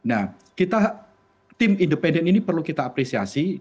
nah kita tim independen ini perlu kita apresiasi